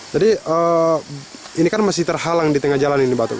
jadi ini kan masih terhalang di tengah jalan ini batu